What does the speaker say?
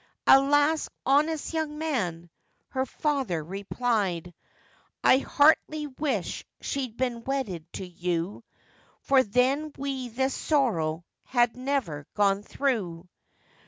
'Alas! honest young man,' her father replied, 'I heartily wish she'd been wedded to you, For then we this sorrow had never gone through.